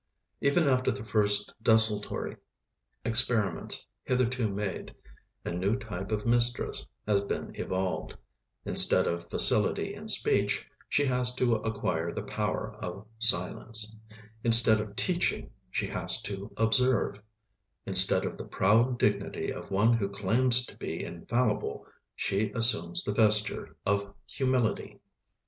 Even after the first desultory experiments hitherto made, a new type of mistress has been evolved; instead of facility in speech, she has to acquire the power of silence; instead of teaching, she has to observe; instead of the proud dignity of one who claims to be infallible, she assumes the vesture of humility.